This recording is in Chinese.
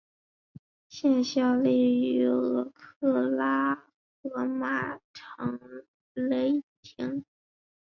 现效力于俄克拉何马城雷霆。